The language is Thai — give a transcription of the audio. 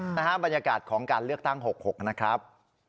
นะฮะบรรยากาศของการเลือกตั้ง๖๖นะครับ